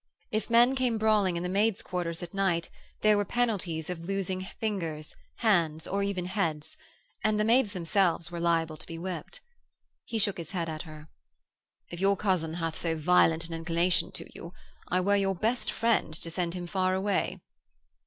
If men came brawling in the maids' quarters at nights there were penalties of losing fingers, hands, or even heads. And the maids themselves were liable to be whipped. He shook his head at her: 'If your cousin hath so violent an inclination to you I were your best friend to send him far away.'